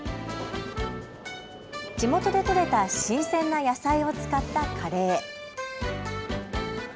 地元で取れた新鮮な野菜を使ったカレー。